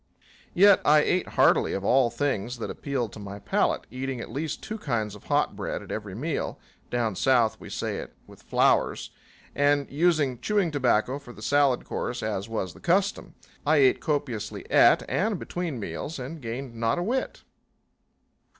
Yet I ate heartily of all things that appealed to my palate, eating at least two kinds of hot bread at every meal down South we say it with flours and using chewing tobacco for the salad course, as was the custom. I ate copiously at and between meals and gained not a whit.